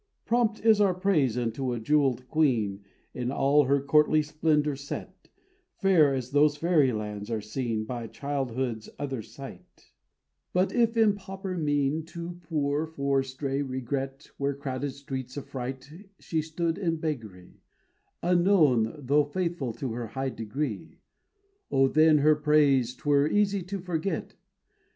Prompt is our praise unto a jewelled queen In all her courtly splendor set, (Fair as those fairylands are seen By childhood's other sight): But if in pauper mien, Too poor for stray regret Where crowded streets affright She stood in beggary, Unknown, though faithful to her high degree, O, then her praise 'twere easy to forget.